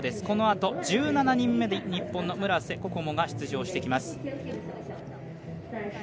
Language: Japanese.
このあと１７人目で日本の村瀬心椛が出場してきます。